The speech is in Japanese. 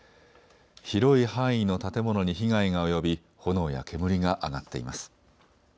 広い範囲の建物に被害が及び炎や煙が上がっています。